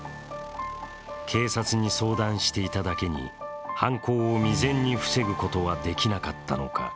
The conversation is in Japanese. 警察に相談していただけに、犯行を未然に防ぐことはできなかったのか。